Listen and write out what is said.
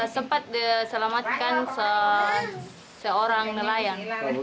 sempat diselamatkan seorang nelayan